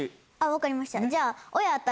分かりました。